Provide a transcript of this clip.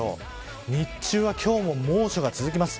日中も今日は猛暑が続きます。